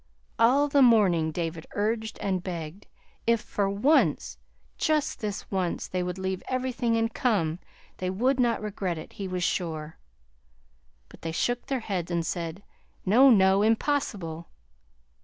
All the morning David urged and begged. If for once, just this once, they would leave everything and come, they would not regret it, he was sure. But they shook their heads and said, "No, no, impossible!"